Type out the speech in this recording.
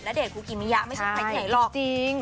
ณเดชน์คุกิมิยะไม่ใช่ใครไหนหรอก